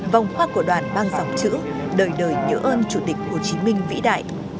vòng hoa của đoàn mang dòng chữ đời đời nhớ ơn chủ tịch hồ chí minh vĩ đại